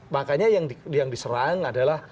makanya yang diserang adalah